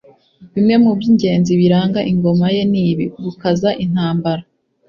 bimwe mu by'ingenzi biranga ingoma ye ni ibi : gukaza intambara